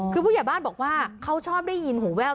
คือผู้ใหญ่บ้านบอกว่าเขาชอบได้ยินหูแว่ว